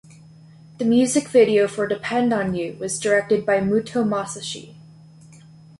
The music video for "Depend on you" was directed by Muto Masashi.